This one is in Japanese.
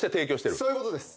そういうことです。